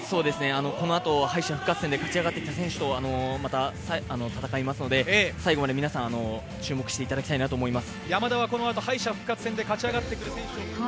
このあと敗者復活戦で勝ち上がっていった選手とまた戦いますので最後まで皆さん注目していただきたいなと思います。